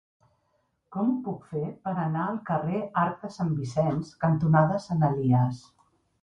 Com ho puc fer per anar al carrer Arc de Sant Vicenç cantonada Sant Elies?